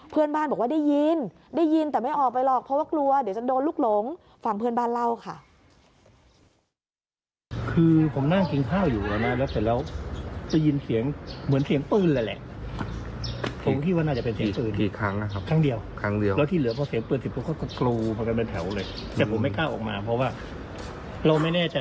เพื่อนบ้านบอกว่าได้ยินได้ยินแต่ไม่ออกไปหรอกเพราะว่ากลัวเดี๋ยวจะโดนลูกหลง